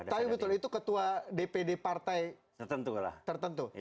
tapi betul itu ketua dpd partai tertentu